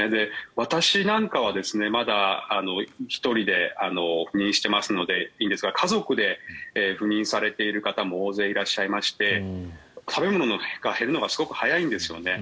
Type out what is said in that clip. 私なんかはまだ１人で赴任してますのでいいんですが家族で赴任されている方も大勢いらっしゃいまして食べ物が減るのがすごく早いんですよね。